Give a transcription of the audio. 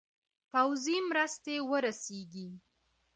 پوځي مرستي ورسیږي.